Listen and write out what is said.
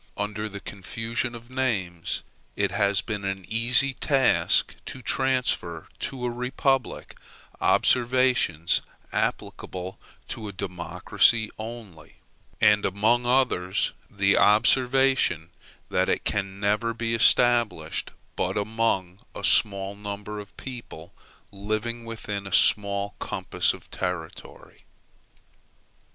Under the confusion of names, it has been an easy task to transfer to a republic observations applicable to a democracy only; and among others, the observation that it can never be established but among a small number of people, living within a small compass of territory.